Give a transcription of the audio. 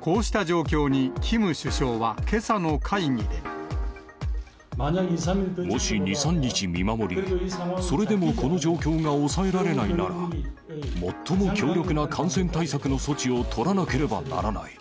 こうした状況にキム首相は、もし２、３日見守り、それでもこの状況が抑えられないなら、最も強力な感染対策の措置を取らなければならない。